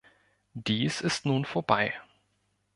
Dies ist nun vorbei.